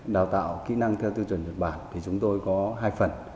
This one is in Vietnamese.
đào tạo kỹ năng theo tiêu chuẩn nhật bản thì chúng tôi có hai phần